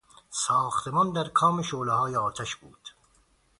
ساختمان در کام شعلههای آتش بود.